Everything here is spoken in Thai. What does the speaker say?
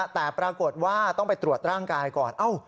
แต่ปรากฏว่าต้องไปตรวจร่างกายก่อน